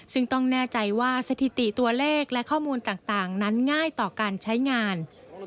ซึ่งต้องแน่ใจว่าสถิติตัวเลขและข้อมูลต่างนั้นง่ายต่อการใช้งาน